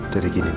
dari gini ma